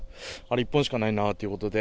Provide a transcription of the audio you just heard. １本しかないなということで。